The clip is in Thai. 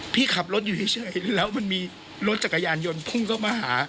พี่ขับรถอยู่เฉยแล้วมันมีรถจักรยานยนต์พุ่งเข้ามาหา